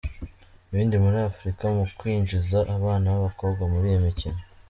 ibindi muri Afurika mu kwinjiza abana babakobwa muri iyi mikino.